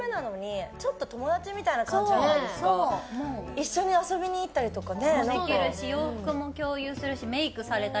一緒に遊びに行ったりとかね。